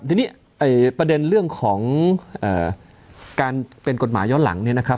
ทีนี้ประเด็นเรื่องของการเป็นกฎหมายย้อนหลังเนี่ยนะครับ